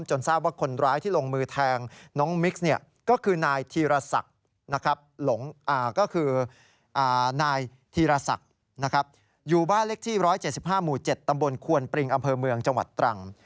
จนทราบว่าคนร้ายที่ลงมือแทงน้องมิคล้มก็คือนายธีรศักดิ์อยู่บ้านเล็กที่๑๗๕หมู่๗ตำบลควลปริงอำเภอเมืองจังหวัดตรังค์